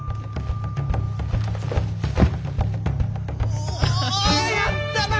おやったな！